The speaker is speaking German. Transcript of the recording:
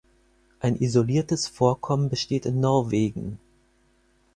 Ein isoliertes Vorkommen besteht in Norwegen.